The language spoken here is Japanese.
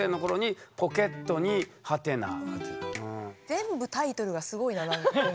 全部タイトルがすごいな今回。